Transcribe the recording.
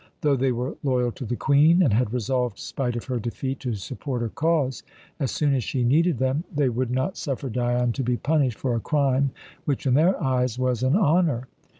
Though they were loyal to the Queen, and had resolved, spite of her defeat, to support her cause, as soon as she needed them, they would not suffer Dion to be punished for a crime which, in their eyes, was an honour.